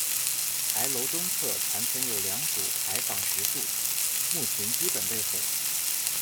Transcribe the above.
牌楼东侧残存有两组牌坊石柱，墓群基本被毁。